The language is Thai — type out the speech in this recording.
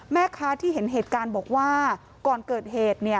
แม่ค้าที่เห็นเหตุการณ์บอกว่าก่อนเกิดเหตุเนี่ย